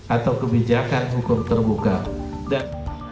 atau kebijakan hukum terbuka